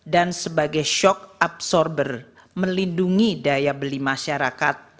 dan sebagai shock absorber melindungi daya beli masyarakat